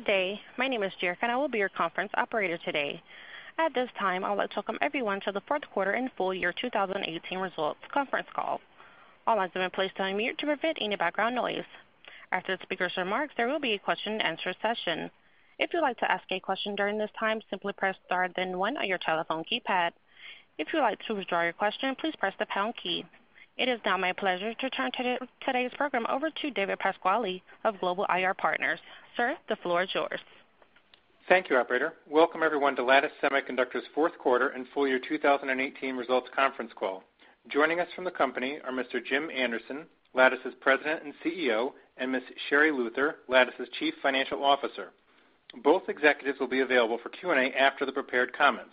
Good day. My name is Jerica, and I will be your conference operator today. At this time, I would like to welcome everyone to the fourth quarter and full year 2018 results conference call. All lines have been placed on mute to prevent any background noise. After the speakers' remarks, there will be a question and answer session. If you'd like to ask a question during this time, simply press star then one on your telephone keypad. If you'd like to withdraw your question, please press the pound key. It is now my pleasure to turn today's program over to David Pasquale of Global IR Partners. Sir, the floor is yours. Thank you, operator. Welcome everyone to Lattice Semiconductor's fourth quarter and full year 2018 results conference call. Joining us from the company are Mr. Jim Anderson, Lattice's President and Chief Executive Officer, and Ms. Sherri Luther, Lattice's Chief Financial Officer. Both executives will be available for Q&A after the prepared comments.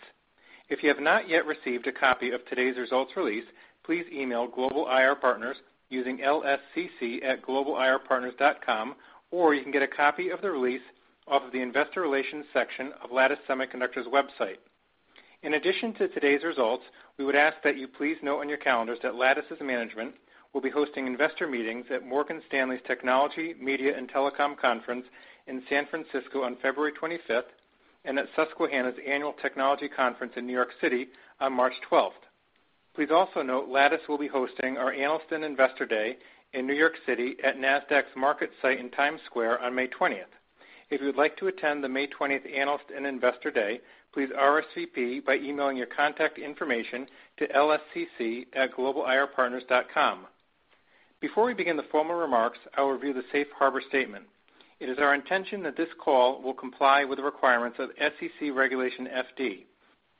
If you have not yet received a copy of today's results release, please email Global IR Partners using lscc@globalirpartners.com, or you can get a copy of the release off of the investor relations section of Lattice Semiconductor's website. In addition to today's results, we would ask that you please note on your calendars that Lattice's management will be hosting investor meetings at Morgan Stanley's Technology, Media, and Telecom conference in San Francisco on February 25th and at Susquehanna's Annual Technology Conference in New York City on March 12th. Please also note, Lattice will be hosting our Analyst and Investor Day in New York City at Nasdaq's market site in Times Square on May 20th. If you would like to attend the May 20th Analyst and Investor Day, please RSVP by emailing your contact information to lscc@globalirpartners.com. Before we begin the formal remarks, I'll review the safe harbor statement. It is our intention that this call will comply with the requirements of SEC Regulation FD.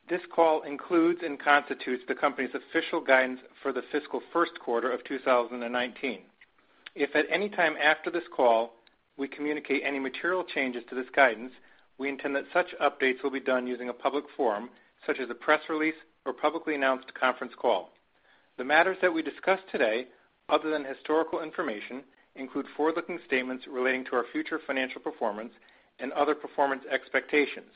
This call includes and constitutes the company's official guidance for the fiscal first quarter of 2019. If at any time after this call, we communicate any material changes to this guidance, we intend that such updates will be done using a public forum such as a press release or publicly announced conference call. The matters that we discuss today, other than historical information, include forward-looking statements relating to our future financial performance and other performance expectations.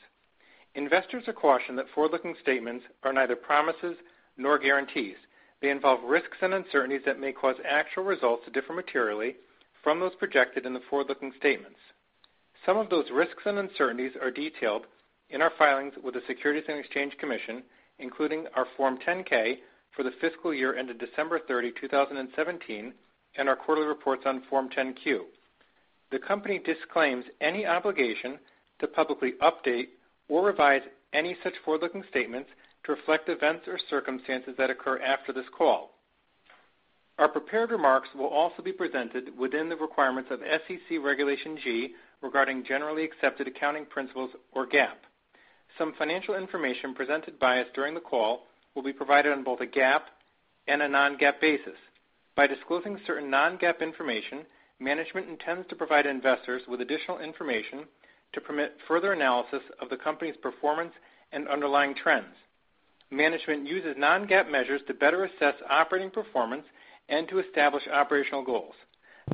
Investors are cautioned that forward-looking statements are neither promises nor guarantees. They involve risks and uncertainties that may cause actual results to differ materially from those projected in the forward-looking statements. Some of those risks and uncertainties are detailed in our filings with the Securities and Exchange Commission, including our Form 10-K for the fiscal year ended December 30th, 2017, and our quarterly reports on Form 10-Q. The company disclaims any obligation to publicly update or revise any such forward-looking statements to reflect events or circumstances that occur after this call. Our prepared remarks will also be presented within the requirements of SEC Regulation G regarding generally accepted accounting principles or GAAP. Some financial information presented by us during the call will be provided on both a GAAP and a Non-GAAP basis. By disclosing certain Non-GAAP information, management intends to provide investors with additional information to permit further analysis of the company's performance and underlying trends. Management uses Non-GAAP measures to better assess operating performance and to establish operational goals.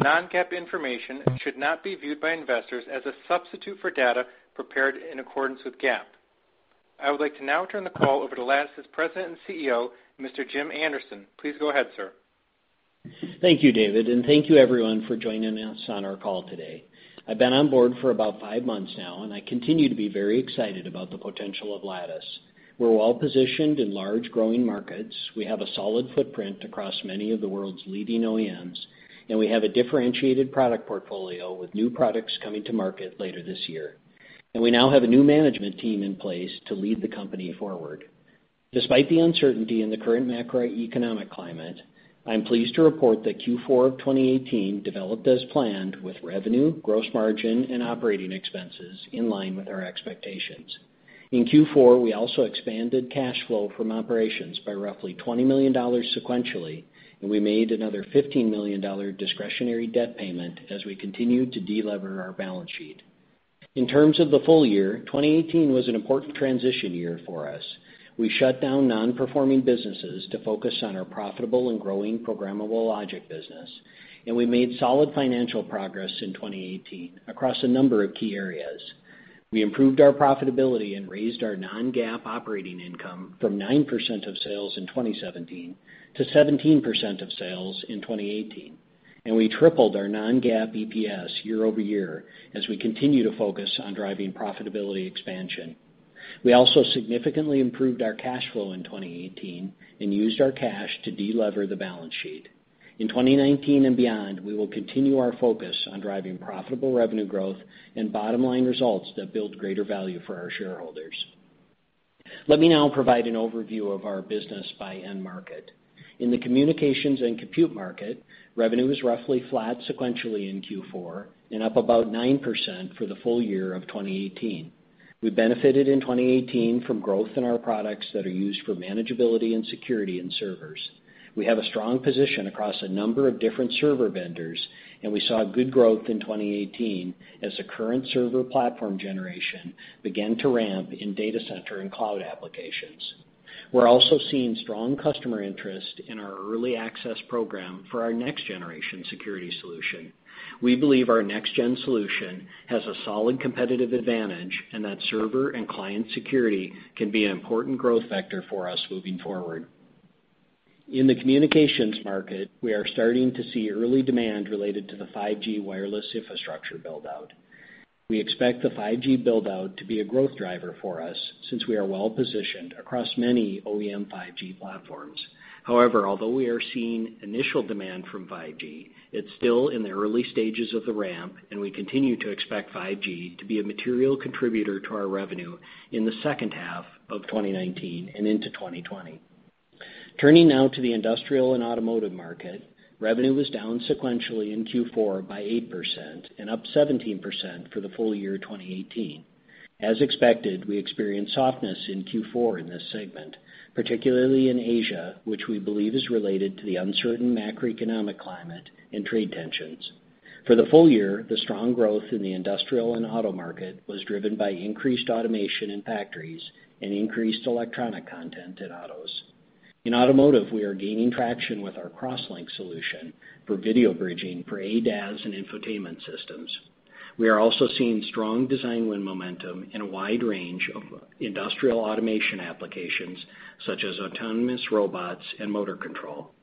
Non-GAAP information should not be viewed by investors as a substitute for data prepared in accordance with GAAP. I would like to now turn the call over to Lattice's President and Chief Executive Officer, Mr. Jim Anderson. Please go ahead, sir. Thank you, David, and thank you everyone for joining us on our call today. I've been on board for about five months now, and I continue to be very excited about the potential of Lattice. We're well-positioned in large, growing markets. We have a solid footprint across many of the world's leading OEMs, and we have a differentiated product portfolio with new products coming to market later this year. We now have a new management team in place to lead the company forward. Despite the uncertainty in the current macroeconomic climate, I'm pleased to report that Q4 of 2018 developed as planned with revenue, gross margin, and operating expenses in line with our expectations. In Q4, we also expanded cash flow from operations by roughly $20 million sequentially, and we made another $15 million discretionary debt payment as we continued to de-lever our balance sheet. In terms of the full year, 2018 was an important transition year for us. We shut down non-performing businesses to focus on our profitable and growing programmable logic business, and we made solid financial progress in 2018 across a number of key areas. We improved our profitability and raised our Non-GAAP operating income from 9% of sales in 2017 to 17% of sales in 2018. We tripled our Non-GAAP EPS year-over-year as we continue to focus on driving profitability expansion. We also significantly improved our cash flow in 2018 and used our cash to de-lever the balance sheet. In 2019 and beyond, we will continue our focus on driving profitable revenue growth and bottom-line results that build greater value for our shareholders. Let me now provide an overview of our business by end market. In the communications and compute market, revenue was roughly flat sequentially in Q4 and up about 9% for the full year of 2018. We benefited in 2018 from growth in our products that are used for manageability and security in servers. We have a strong position across a number of different server vendors, and we saw good growth in 2018 as the current server platform generation began to ramp in data center and cloud applications. We're also seeing strong customer interest in our early access program for our next-generation security solution. We believe our next-gen solution has a solid competitive advantage, and that server and client security can be an important growth vector for us moving forward. In the communications market, we are starting to see early demand related to the 5G wireless infrastructure build-out. We expect the 5G build-out to be a growth driver for us since we are well-positioned across many OEM 5G platforms. However, although we are seeing initial demand from 5G, it's still in the early stages of the ramp, and we continue to expect 5G to be a material contributor to our revenue in the second half of 2019 and into 2020. Turning now to the industrial and automotive market. Revenue was down sequentially in Q4 by 8% and up 17% for the full year 2018. As expected, we experienced softness in Q4 in this segment, particularly in Asia, which we believe is related to the uncertain macroeconomic climate and trade tensions. For the full year, the strong growth in the industrial and auto market was driven by increased automation in factories and increased electronic content in autos. In automotive, we are gaining traction with our CrossLink solution for video bridging for ADAS and infotainment systems. We are also seeing strong design win momentum in a wide range of industrial automation applications, such as autonomous robots and motor control.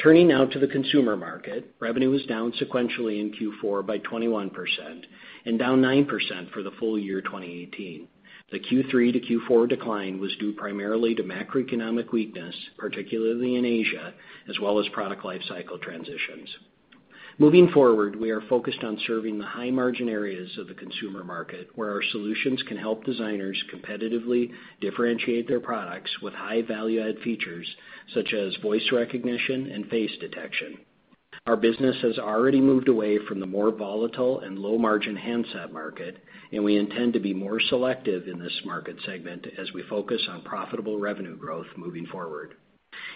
Turning now to the consumer market. Revenue was down sequentially in Q4 by 21% and down 9% for the full year 2018. The Q3-Q4 decline was due primarily to macroeconomic weakness, particularly in Asia, as well as product life cycle transitions. Moving forward, we are focused on serving the high-margin areas of the consumer market, where our solutions can help designers competitively differentiate their products with high value-add features such as voice recognition and face detection. Our business has already moved away from the more volatile and low-margin handset market. We intend to be more selective in this market segment as we focus on profitable revenue growth moving forward.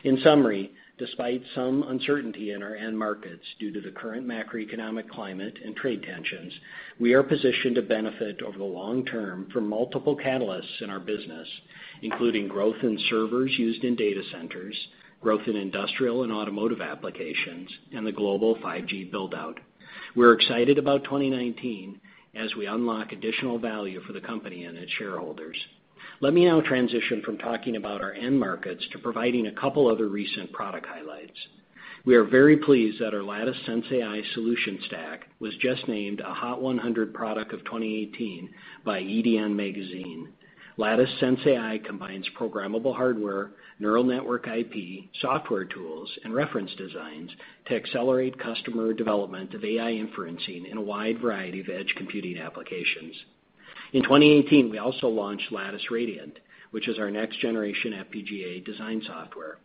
In summary, despite some uncertainty in our end markets due to the current macroeconomic climate and trade tensions, we are positioned to benefit over the long term from multiple catalysts in our business, including growth in servers used in data centers, growth in industrial and automotive applications, and the global 5G build-out. We're excited about 2019 as we unlock additional value for the company and its shareholders. Let me now transition from talking about our end markets to providing a couple of other recent product highlights. We are very pleased that our Lattice sensAI solution stack was just named a Hot 100 Product of 2018 by "EDN" magazine. Lattice sensAI combines programmable hardware, neural network IP, software tools, and reference designs to accelerate customer development of AI inferencing in a wide variety of edge computing applications. In 2018, we also launched Lattice Radiant, which is our next-generation FPGA design software.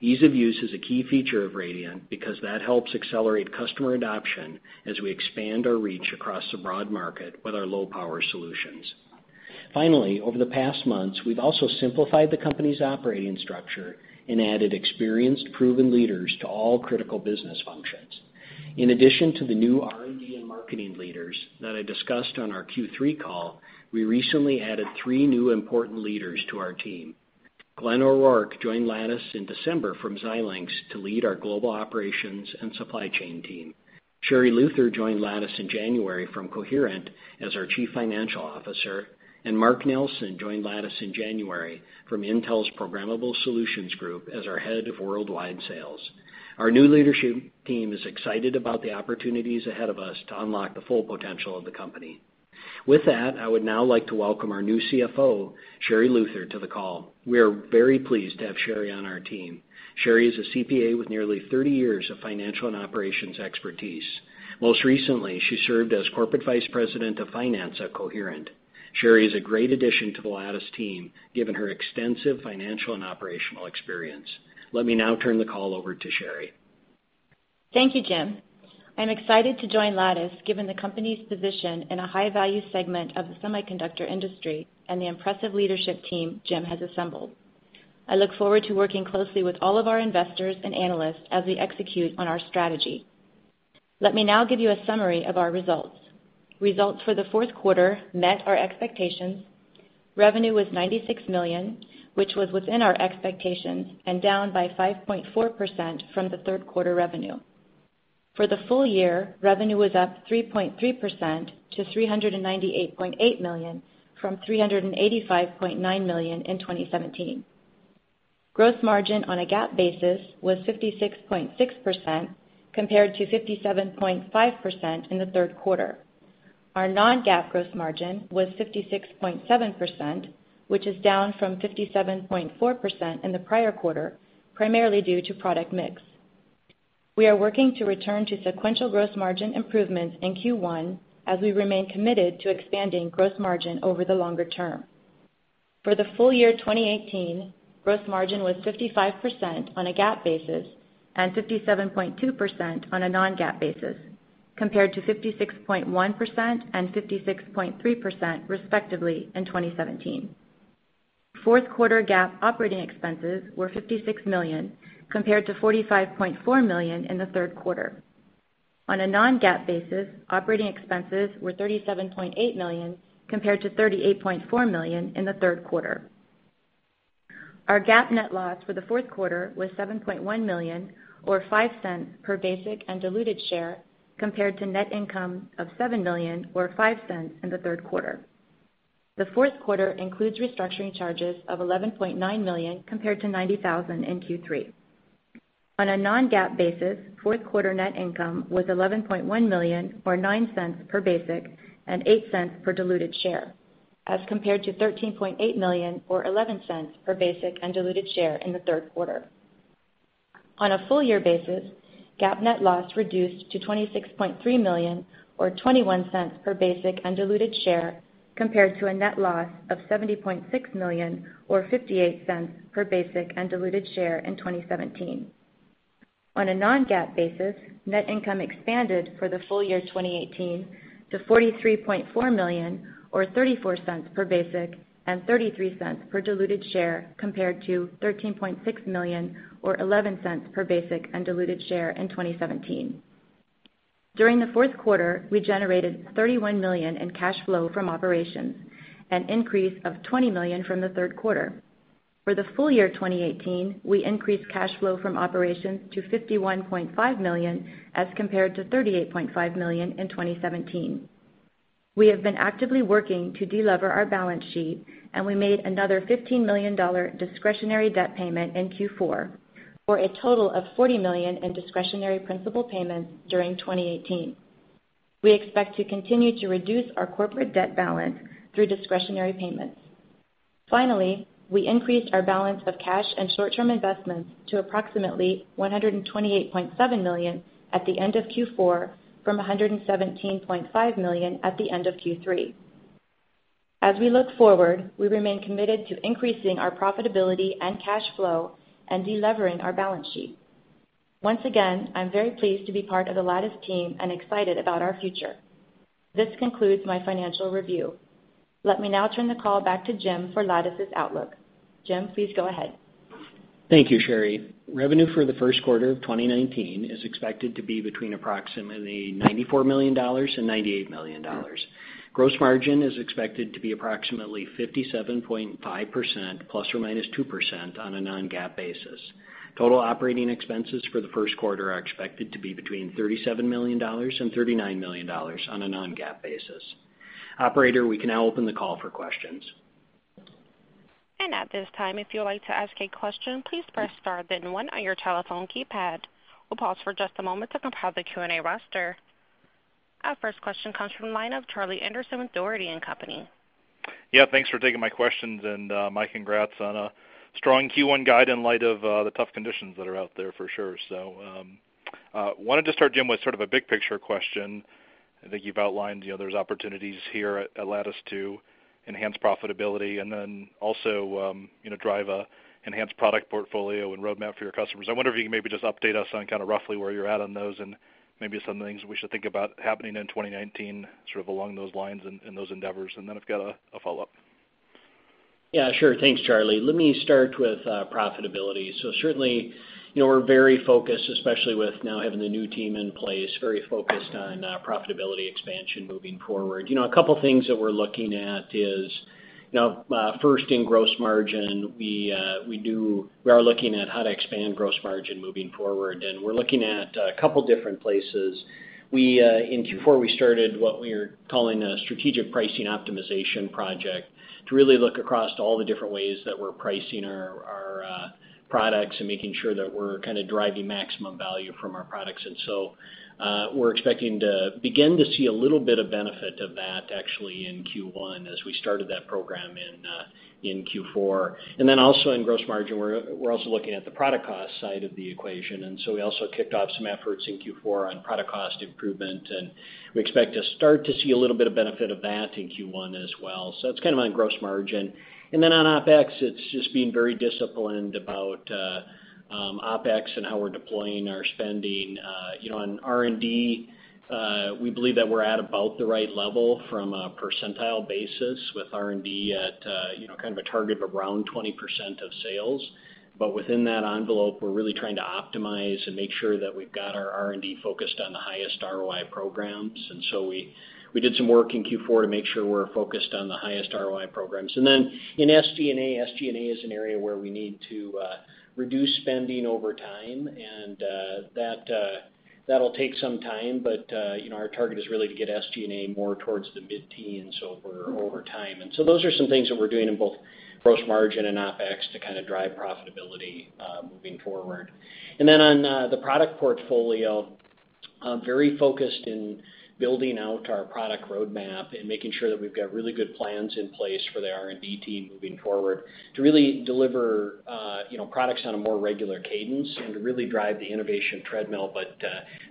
Ease of use is a key feature of Radiant because that helps accelerate customer adoption as we expand our reach across the broad market with our low-power solutions. Finally, over the past months, we've also simplified the company's operating structure and added experienced, proven leaders to all critical business functions. In addition to the new R&D and marketing leaders that I discussed on our Q3 call, we recently added three new important leaders to our team. Glenn O'Rourke joined Lattice in December from Xilinx to lead our global operations and supply chain team. Sherri Luther joined Lattice in January from Coherent as our Chief Financial Officer, and Mark Nelson joined Lattice in January from Intel's Programmable Solutions Group as our Head of Worldwide Sales. Our new leadership team is excited about the opportunities ahead of us to unlock the full potential of the company. With that, I would now like to welcome our new Chief Financial Officer, Sherri Luther, to the call. We are very pleased to have Sherri on our team. Sherri is a CPA with nearly 30 years of financial and operations expertise. Most recently, she served as Corporate Vice President of Finance at Coherent. Sherri is a great addition to the Lattice team, given her extensive financial and operational experience. Let me now turn the call over to Sherri. Thank you, Jim. I'm excited to join Lattice given the company's position in a high-value segment of the semiconductor industry and the impressive leadership team Jim has assembled. I look forward to working closely with all of our investors and analysts as we execute on our strategy. Let me now give you a summary of our results. Results for the fourth quarter met our expectations. Revenue was $96 million, which was within our expectations and down by 5.4% from the third quarter revenue. For the full year, revenue was up 3.3% to $398.8 million from $385.9 million in 2017. Gross margin on a GAAP basis was 56.6% compared to 57.5% in the third quarter. Our Non-GAAP gross margin was 56.7%, which is down from 57.4% in the prior quarter, primarily due to product mix. We are working to return to sequential gross margin improvements in Q1 as we remain committed to expanding gross margin over the longer term. For the full year 2018, gross margin was 55% on a GAAP basis and 57.2% on a Non-GAAP basis, compared to 56.1% and 56.3%, respectively, in 2017. Fourth quarter GAAP operating expenses were $56 million, compared to $45.4 million in the third quarter. On a Non-GAAP basis, operating expenses were $37.8 million, compared to $38.4 million in the third quarter. Our GAAP net loss for the fourth quarter was $7.1 million or $0.05 per basic and diluted share, compared to net income of $7 million or $0.05 in the third quarter. The fourth quarter includes restructuring charges of $11.9 million compared to $90,000 in Q3. On a Non-GAAP basis, fourth quarter net income was $11.1 million, or $0.09 per basic, and $0.08 per diluted share, as compared to $13.8 million or $0.11 per basic and diluted share in the third quarter. On a full year basis, GAAP net loss reduced to $26.3 million or $0.21 per basic and diluted share, compared to a net loss of $70.6 million or $0.58 per basic and diluted share in 2017. On a Non-GAAP basis, net income expanded for the full year 2018 to $43.4 million or $0.34 per basic and $0.33 per diluted share, compared to $13.6 million or $0.11 per basic and diluted share in 2017. During the fourth quarter, we generated $31 million in cash flow from operations, an increase of $20 million from the third quarter. For the full year 2018, we increased cash flow from operations to $51.5 million as compared to $38.5 million in 2017. We have been actively working to de-lever our balance sheet, we made another $15 million discretionary debt payment in Q4, for a total of $40 million in discretionary principal payments during 2018. We expect to continue to reduce our corporate debt balance through discretionary payments. Finally, we increased our balance of cash and short-term investments to approximately $128.7 million at the end of Q4 from $117.5 million at the end of Q3. As we look forward, we remain committed to increasing our profitability and cash flow and de-levering our balance sheet. Once again, I'm very pleased to be part of the Lattice team and excited about our future. This concludes my financial review. Let me now turn the call back to Jim for Lattice's outlook. Jim, please go ahead. Thank you, Sherri. Revenue for the first quarter of 2019 is expected to be between approximately $94 million-$98 million. Gross margin is expected to be approximately 57.5%, ±2%, on a Non-GAAP basis. Total operating expenses for the first quarter are expected to be between $37 million-$39 million on a Non-GAAP basis. Operator, we can now open the call for questions. At this time, if you would like to ask a question, please press star then one on your telephone keypad. We'll pause for just a moment to compile the Q&A roster. Our first question comes from the line of Charlie Anderson with Dougherty & Company. Yeah, thanks for taking my questions and my congrats on a strong Q1 guide in light of the tough conditions that are out there for sure. Wanted to start, Jim, with sort of a big picture question. I think you've outlined there's opportunities here at Lattice to enhance profitability and then also drive an enhanced product portfolio and roadmap for your customers. I wonder if you can maybe just update us on kind of roughly where you're at on those and maybe some things we should think about happening in 2019, sort of along those lines and those endeavors, and then I've got a follow-up. Yeah, sure. Thanks, Charlie. Let me start with profitability. Certainly, we're very focused, especially with now having the new team in place, very focused on profitability expansion moving forward. A couple things that we're looking at is, first in gross margin, we are looking at how to expand gross margin moving forward, and we're looking at a couple different places. In Q4, we started what we're calling a strategic pricing optimization project to really look across all the different ways that we're pricing our products and making sure that we're kind of driving maximum value from our products. We're expecting to begin to see a little bit of benefit of that actually in Q1 as we started that program in Q4. Also in gross margin, we're also looking at the product cost side of the equation, we also kicked off some efforts in Q4 on product cost improvement, and we expect to start to see a little bit of benefit of that in Q1 as well. That's kind of on gross margin. On OpEx, it's just being very disciplined about OpEx and how we're deploying our spending. On R&D, we believe that we're at about the right level from a percentile basis with R&D at kind of a target of around 20% of sales. Within that envelope, we're really trying to optimize and make sure that we've got our R&D focused on the highest ROI programs. We did some work in Q4 to make sure we're focused on the highest ROI programs. In SG&A, SG&A is an area where we need to reduce spending over time, and that'll take some time, but our target is really to get SG&A more towards the mid-teens over time. Those are some things that we're doing in both gross margin and OpEx to kind of drive profitability moving forward. On the product portfolio, I'm very focused in building out our product roadmap and making sure that we've got really good plans in place for the R&D team moving forward to really deliver products on a more regular cadence and to really drive the innovation treadmill,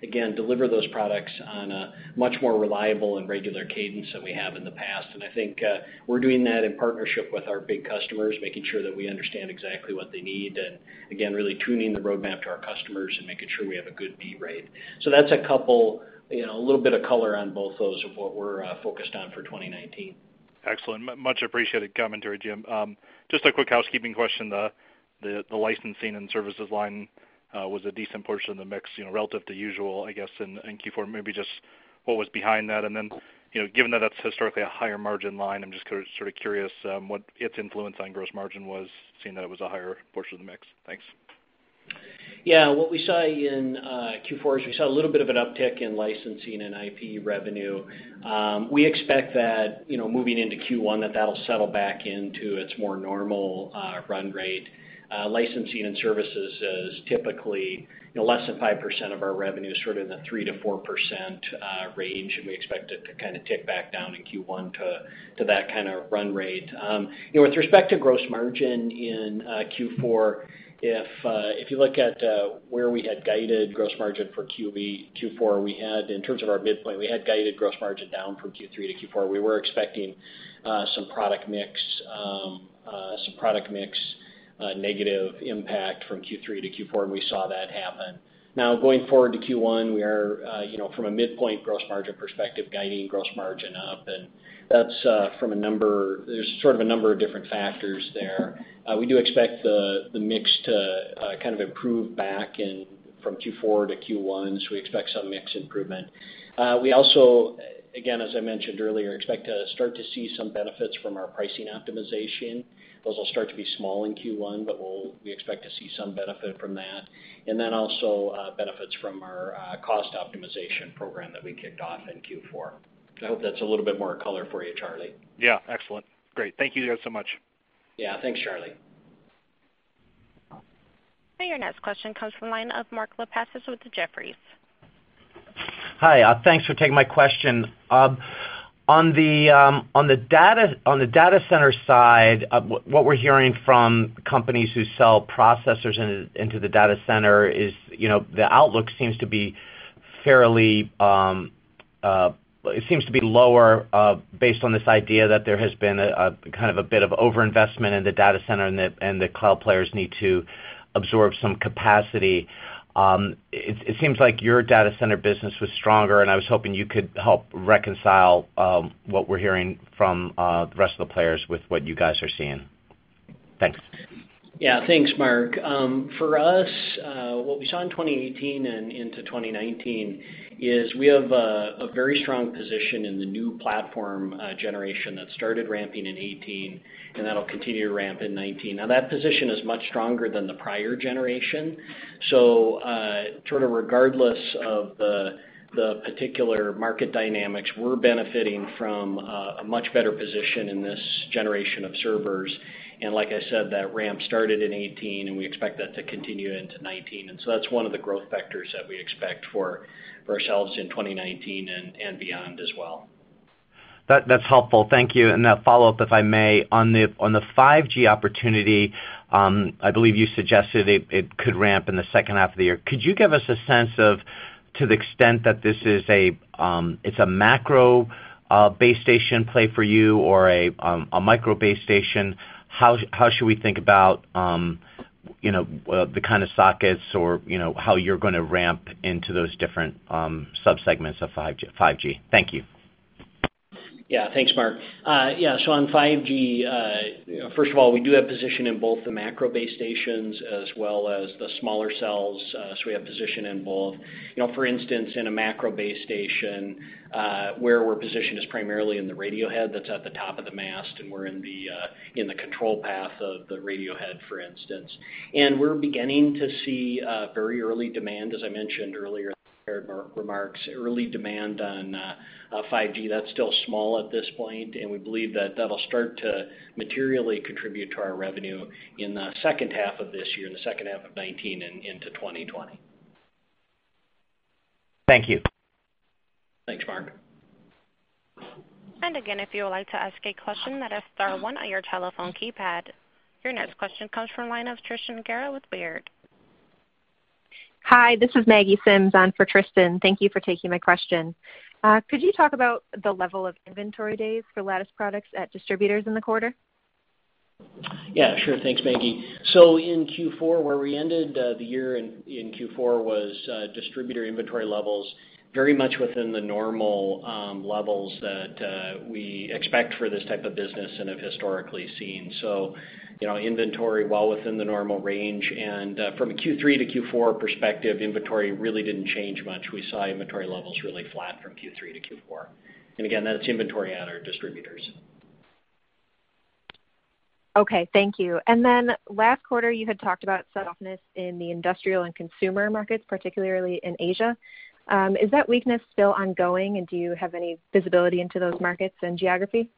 again, deliver those products on a much more reliable and regular cadence than we have in the past. I think we're doing that in partnership with our big customers, making sure that we understand exactly what they need, again, really tuning the roadmap to our customers and making sure we have a good beat rate. That's a little bit of color on both those of what we're focused on for 2019. Excellent. Much appreciated commentary, Jim. Just a quick housekeeping question. The licensing and services line was a decent portion of the mix relative to usual, I guess, in Q4. Maybe just what was behind that, given that that's historically a higher margin line, I'm just sort of curious what its influence on gross margin was, seeing that it was a higher portion of the mix. Thanks. What we saw in Q4 is we saw a little bit of an uptick in licensing and IP revenue. We expect that, moving into Q1, that'll settle back into its more normal run rate. Licensing and services is typically less than 5% of our revenue, sort of in the 3%-4% range, we expect it to kind of tick back down in Q1 to that kind of run rate. With respect to gross margin in Q4, if you look at where we had guided gross margin for Q4, we had, in terms of our midpoint, we had guided gross margin down from Q3-Q4. We were expecting some product mix negative impact from Q3-Q4, we saw that happen. Going forward to Q1, we are, from a midpoint gross margin perspective, guiding gross margin up, there's sort of a number of different factors there. We do expect the mix to kind of improve back from Q4-Q1, we expect some mix improvement. We also, again, as I mentioned earlier, expect to start to see some benefits from our pricing optimization. Those will start to be small in Q1, but we expect to see some benefit from that. Also, benefits from our cost optimization program that we kicked off in Q4. I hope that's a little bit more color for you, Charlie. Yeah. Excellent. Great. Thank you guys so much. Yeah. Thanks, Charlie. Your next question comes from the line of Mark Lipacis with Jefferies. Hi. Thanks for taking my question. On the data center side, what we're hearing from companies who sell processors into the data center is, the outlook seems to be lower, based on this idea that there has been a bit of over-investment in the data center, and the cloud players need to absorb some capacity. It seems like your data center business was stronger, and I was hoping you could help reconcile what we're hearing from the rest of the players with what you guys are seeing. Thanks. Thanks, Mark. For us, what we saw in 2018 and into 2019 is we have a very strong position in the new platform generation that started ramping in 2018, and that'll continue to ramp in 2019. That position is much stronger than the prior generation. Sort of regardless of the particular market dynamics, we're benefiting from a much better position in this generation of servers. Like I said, that ramp started in 2018, and we expect that to continue into 2019. That's one of the growth vectors that we expect for ourselves in 2019 and beyond as well. That's helpful. Thank you. A follow-up, if I may. On the 5G opportunity, I believe you suggested it could ramp in the second half of the year. Could you give us a sense of, to the extent that it's a macro base station play for you or a micro base station, how should we think about the kind of sockets or how you're going to ramp into those different sub-segments of 5G? Thank you. Thanks, Mark. On 5G, first of all, we do have position in both the macro base stations as well as the smaller cells, so we have position in both. For instance, in a macro base station, where we're positioned is primarily in the radio head that's at the top of the mast, and we're in the control path of the radio head, for instance. We're beginning to see very early demand, as I mentioned earlier in my prepared remarks, early demand on 5G. That's still small at this point, and we believe that that'll start to materially contribute to our revenue in the second half of this year, the second half of 2019 and into 2020. Thank you. Thanks, Mark. Again, if you would like to ask a question, press star one on your telephone keypad. Your next question comes from the line of Tristan Gerra with Baird. Hi, this is Maggie Sims on for Tristan. Thank you for taking my question. Could you talk about the level of inventory days for Lattice products at distributors in the quarter? Yeah. Sure. Thanks, Maggie. In Q4, where we ended the year in Q4 was distributor inventory levels very much within the normal levels that we expect for this type of business and have historically seen. Inventory well within the normal range. From a Q3-Q4 perspective, inventory really didn't change much. We saw inventory levels really flat from Q3-Q4. Again, that's inventory at our distributors. Okay. Thank you. Then last quarter, you had talked about softness in the industrial and consumer markets, particularly in Asia. Is that weakness still ongoing, and do you have any visibility into those markets and geography?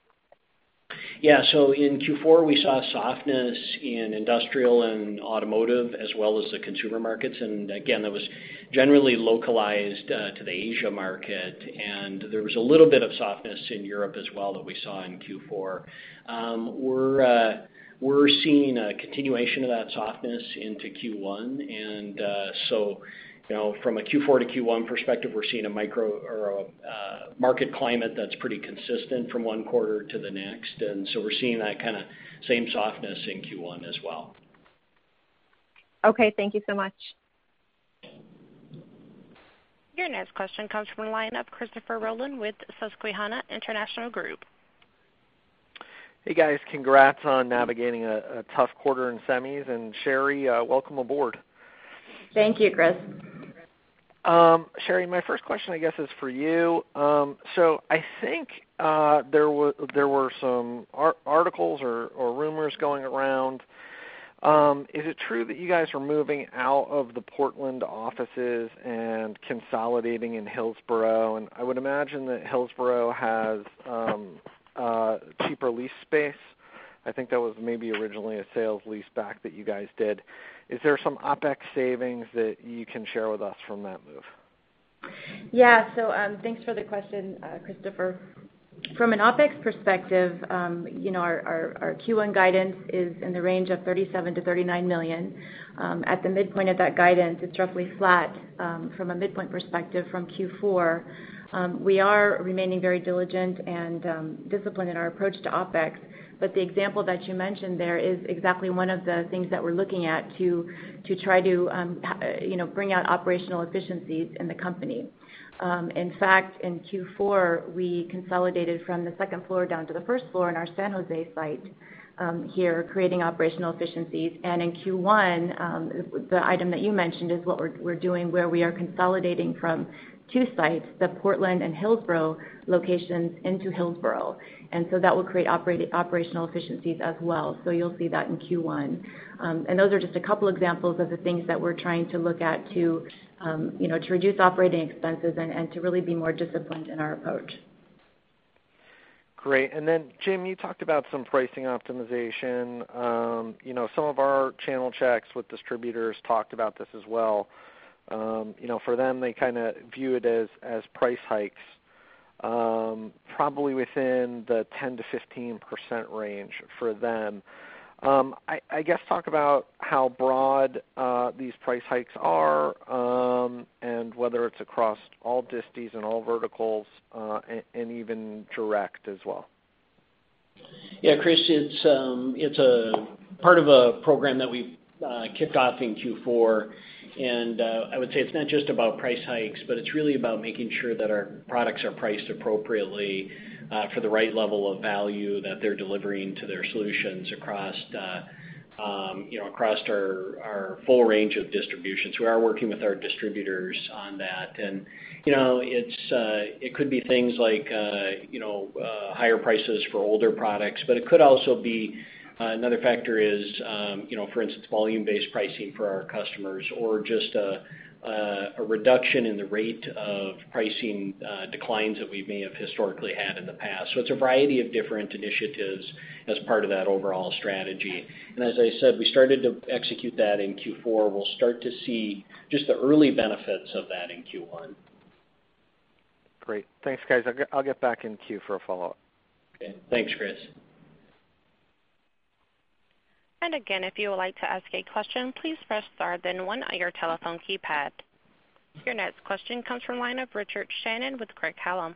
Yeah. In Q4, we saw softness in industrial and automotive as well as the consumer markets, again, that was generally localized to the Asia market, and there was a little bit of softness in Europe as well that we saw in Q4. We're seeing a continuation of that softness into Q1. From a Q4-Q1 perspective, we're seeing a market climate that's pretty consistent from one quarter to the next. We're seeing that kind of same softness in Q1 as well. Okay. Thank you so much. Your next question comes from the line of Christopher Rolland with Susquehanna International Group. Hey, guys. Congrats on navigating a tough quarter in semis. Sherri, welcome aboard. Thank you, Chris. Sherri, my first question, I guess, is for you. I think there were some articles or rumors going around. Is it true that you guys are moving out of the Portland offices and consolidating in Hillsboro? I would imagine that Hillsboro has cheaper lease space. I think that was maybe originally a sales lease back that you guys did. Is there some OpEx savings that you can share with us from that move? Yeah. Thanks for the question, Christopher. From an OpEx perspective, our Q1 guidance is in the range of $37 million-$39 million. At the midpoint of that guidance, it's roughly flat from a midpoint perspective from Q4. We are remaining very diligent and disciplined in our approach to OpEx, the example that you mentioned there is exactly one of the things that we're looking at to try to bring out operational efficiencies in the company. In fact, in Q4, we consolidated from the second floor down to the first floor in our San Jose site here, creating operational efficiencies. In Q1, the item that you mentioned is what we're doing, where we are consolidating from two sites, the Portland and Hillsboro locations into Hillsboro. That will create operational efficiencies as well. You'll see that in Q1. Those are just a couple examples of the things that we're trying to look at to reduce operating expenses and to really be more disciplined in our approach. Great. Then, Jim, you talked about some pricing optimization. Some of our channel checks with distributors talked about this as well. For them, they kind of view it as price hikes, probably within the 10%-15% range for them. I guess, talk about how broad these price hikes are, and whether it's across all distis and all verticals, and even direct as well. Yeah, Chris, it's a part of a program that we kicked off in Q4. I would say it's not just about price hikes, but it's really about making sure that our products are priced appropriately, for the right level of value that they're delivering to their solutions across our full range of distributions. We are working with our distributors on that, and it could be things like higher prices for older products, but it could also be another factor is, for instance, volume-based pricing for our customers or just a reduction in the rate of pricing declines that we may have historically had in the past. It's a variety of different initiatives as part of that overall strategy. As I said, we started to execute that in Q4. We'll start to see just the early benefits of that in Q1. Great. Thanks, guys. I'll get back in queue for a follow-up. Okay. Thanks, Chris. Again, if you would like to ask a question, please press star then one on your telephone keypad. Your next question comes from line of Richard Shannon with Craig-Hallum.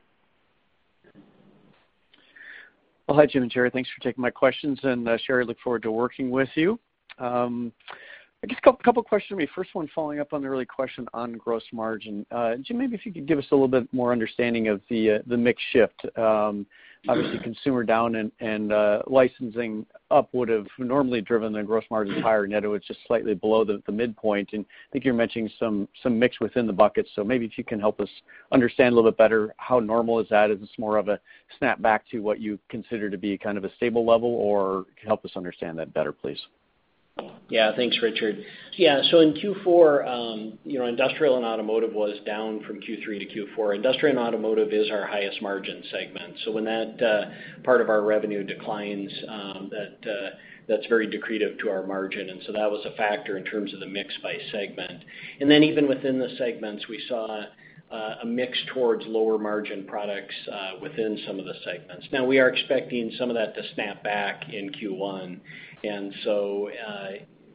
Well, hi, Jim and Sherri. Thanks for taking my questions. Sherri, look forward to working with you. I guess a couple questions. Maybe first one following up on the earlier question on gross margin. Jim, maybe if you could give us a little bit more understanding of the mix shift. Obviously consumer down and licensing up would have normally driven the gross margin higher. Net, it was just slightly below the midpoint, and I think you're mentioning some mix within the buckets. Maybe if you can help us understand a little bit better how normal is that? Is this more of a snap back to what you consider to be kind of a stable level? Help us understand that better, please. Yeah. Thanks, Richard. Yeah. In Q4, industrial and automotive was down from Q3-Q4. Industrial and automotive is our highest margin segment. When that part of our revenue declines, that's very decretive to our margin. That was a factor in terms of the mix by segment. Even within the segments, we saw a mix towards lower margin products within some of the segments. Now we are expecting some of that to snap back in Q1.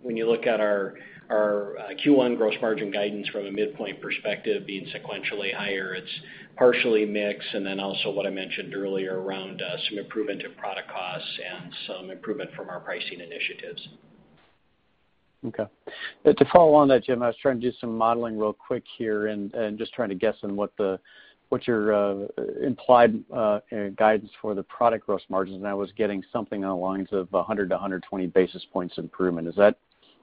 When you look at our Q1 gross margin guidance from a midpoint perspective being sequentially higher, it's partially mix, and then also what I mentioned earlier around some improvement in product costs and some improvement from our pricing initiatives. To follow on that, Jim, I was trying to do some modeling real quick here and just trying to guess on what your implied guidance for the product gross margins, and I was getting something along the lines of 100 basis points-120 basis points improvement. Is that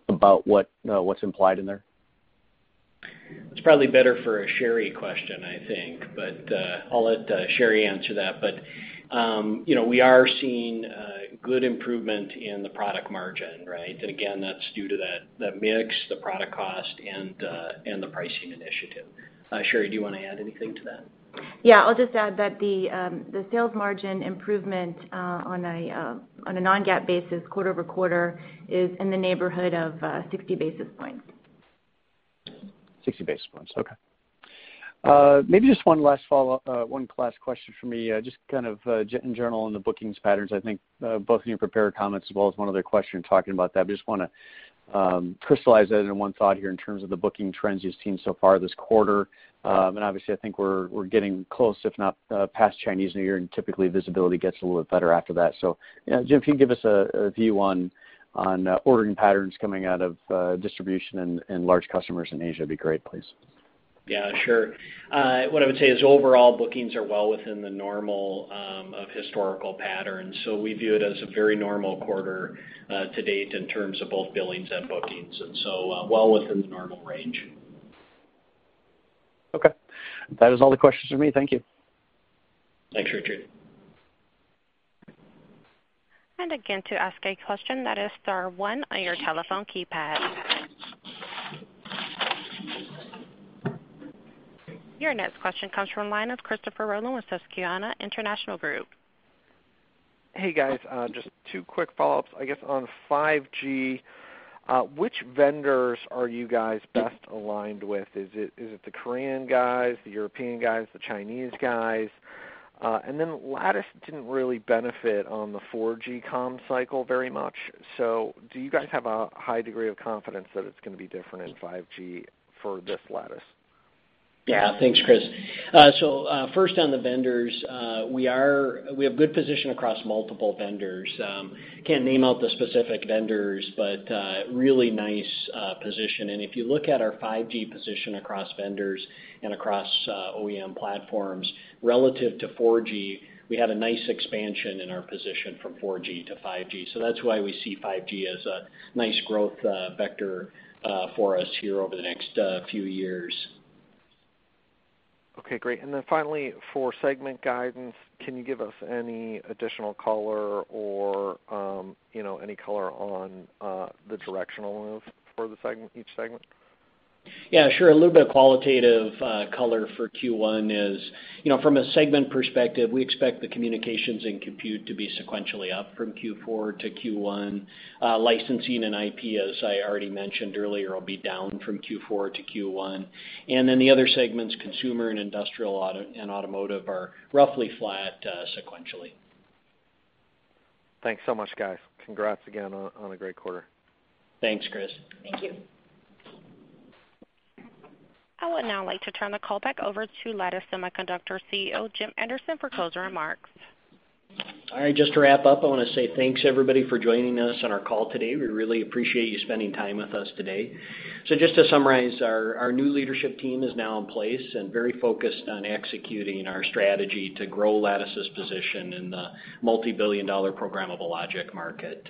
about what's implied in there? It's probably better for a Sherri question, I think, I'll let Sherri answer that. We are seeing good improvement in the product margin, right? Again, that's due to that mix, the product cost and the pricing initiative. Sherri, do you want to add anything to that? I'll just add that the sales margin improvement on a Non-GAAP basis quarter-over-quarter is in the neighborhood of 60 basis points. 60 basis points. Maybe just one last follow-up, one last question for me, just kind of general on the bookings patterns. I think both of you prepared comments as well as one other question talking about that, but just want to crystallize that into one thought here in terms of the booking trends you've seen so far this quarter. Obviously, I think we're getting close, if not past Chinese New Year, and typically visibility gets a little bit better after that. Jim, if you can give us a view on ordering patterns coming out of distribution and large customers in Asia, it'd be great, please. Yeah, sure. What I would say is overall bookings are well within the normal of historical patterns. We view it as a very normal quarter to date in terms of both billings and bookings, and so well within the normal range. Okay. That is all the questions from me. Thank you. Thanks, Richard. Again, to ask a question, that is star one on your telephone keypad. Your next question comes from the line of Christopher Rolland with Susquehanna International Group. Hey, guys. Just two quick follow-ups, I guess, on 5G. Which vendors are you guys best aligned with? Is it the Korean guys, the European guys, the Chinese guys? Lattice didn't really benefit on the 4G comm cycle very much. Do you guys have a high degree of confidence that it's going to be different in 5G for this Lattice? Yeah. Thanks, Chris. First on the vendors, we have good position across multiple vendors. Can't name out the specific vendors, but really nice position. If you look at our 5G position across vendors and across OEM platforms, relative to 4G, we had a nice expansion in our position from 4G to 5G. That's why we see 5G as a nice growth vector for us here over the next few years. Okay, great. Finally, for segment guidance, can you give us any additional color or any color on the directional move for each segment? Yeah, sure. A little bit of qualitative color for Q1 is, from a segment perspective, we expect the communications and compute to be sequentially up from Q4-Q1. Licensing and IP, as I already mentioned earlier, will be down from Q4-ffQ1. The other segments, consumer and industrial and automotive, are roughly flat sequentially. Thanks so much, guys. Congrats again on a great quarter. Thanks, Chris. Thank you. I would now like to turn the call back over to Lattice Semiconductor Chief Executive Officer, Jim Anderson, for closing remarks. All right. Just to wrap up, I want to say thanks everybody for joining us on our call today. We really appreciate you spending time with us today. Just to summarize, our new leadership team is now in place and very focused on executing our strategy to grow Lattice's position in the multibillion-dollar programmable logic market.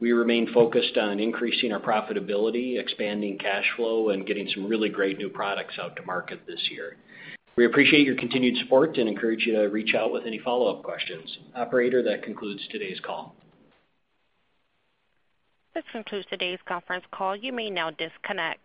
We remain focused on increasing our profitability, expanding cash flow, and getting some really great new products out to market this year. We appreciate your continued support and encourage you to reach out with any follow-up questions. Operator, that concludes today's call. This concludes today's conference call. You may now disconnect.